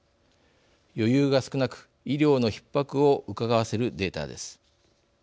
余裕が少なく医療のひっ迫をうかがわせるデータです。